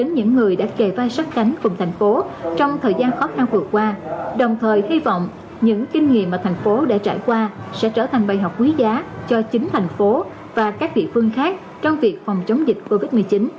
những người đã kề vai sắt cánh cùng thành phố trong thời gian khó khăn vừa qua đồng thời hy vọng những kinh nghiệm mà thành phố đã trải qua sẽ trở thành bài học quý giá cho chính thành phố và các địa phương khác trong việc phòng chống dịch covid một mươi chín